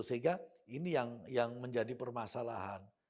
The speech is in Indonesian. sehingga ini yang menjadi permasalahan